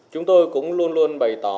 chúng tôi cũng luôn luôn bày tỏ mong muốn rằng